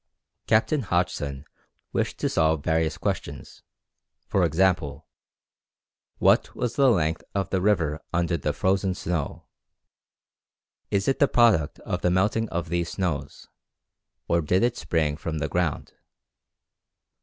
Captain Hodgson wished to solve various questions; for example: What was the length of the river under the frozen snow? Is it the product of the melting of these snows? or did it spring from the ground?